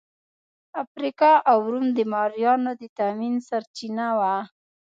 افریقا او روم د مریانو د تامین سرچینه وه.